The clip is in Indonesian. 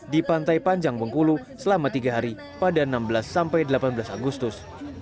di pantai panjang bengkulu selama tiga hari pada enam belas sampai delapan belas agustus